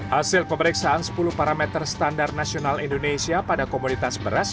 hasil pemeriksaan sepuluh parameter standar nasional indonesia pada komoditas beras